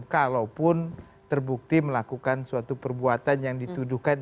kalaupun terbukti melakukan suatu perbuatan yang dituduhkan